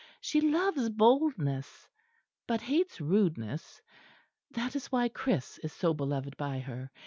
She loves boldness, but hates rudeness. That is why Chris is so beloved by her.